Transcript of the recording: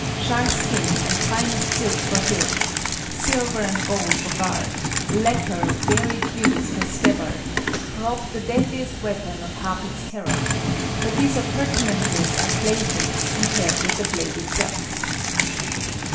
Shark skin and finest silk for hilt, silver and gold for guard, lacquer of varied hues for scabbard, robbed the deadliest weapon of half its terror; but these appurtenances are playthings compared with the blade itself.